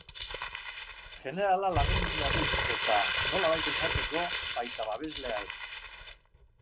Jenerala lagun mina dut eta, nolabait esateko, baita babeslea ere.